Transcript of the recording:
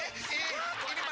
tidak tidak tidak tidak